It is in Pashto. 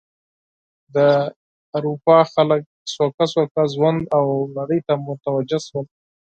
د اروپا خلک ورو ورو ژوند او نړۍ ته متوجه شول.